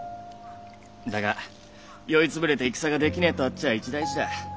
だが酔い潰れて戦ができねえとあっちゃ一大事だ。